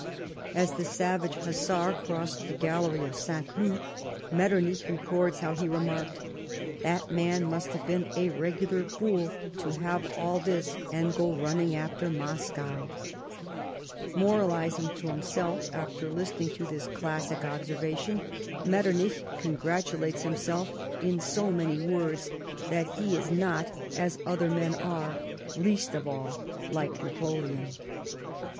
As the savage hussar crossed the gallery of St. Cloud, Metternich records how he remarked :" That man must have been a regular fool to have all this, and go running after Moscow." Moralising to himself after listening to this classic obser vation, Metternich congratulates himself, in so many words, that he is not as other men are, least of all like Napoleon.